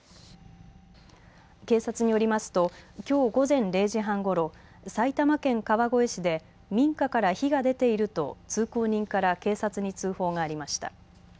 警察によりますときょう午前０時半ごろ、埼玉県川越市で民家から火が出ていると通行人から警察に通報がありました。